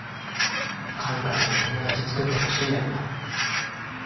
佳奈花ちゃんに友達作ってほしいんだよな？